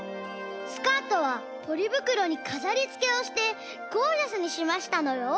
スカートはポリぶくろにかざりつけをしてゴージャスにしましたのよ！